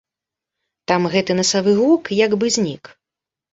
Там гэты насавы гук як бы знік.